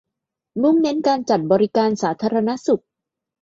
มุ่งเน้นการจัดบริการสาธารณสุข